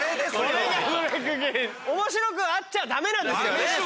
面白くあっちゃダメなんですよね！